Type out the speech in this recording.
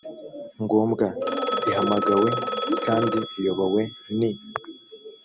ngombwa ihamagawe kandi iyobowe n